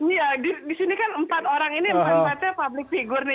iya di sini kan empat orang ini empatnya public figure nih